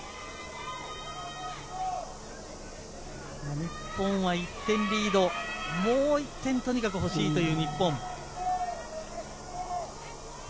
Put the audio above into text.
日本は１点リードもう１点とにかく欲しいという日本。